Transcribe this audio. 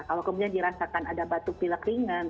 kalau kemudian dirasakan ada batuk pilek ringan